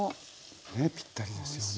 ねえぴったりですよね。